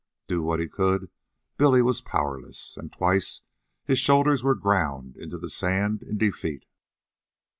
Do what he could, Billy was powerless, and twice his shoulders were ground into the sand in defeat.